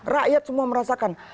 rakyat semua merasakan